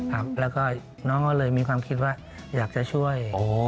ครับแล้วก็น้องก็เลยมีความคิดว่าอยากจะช่วย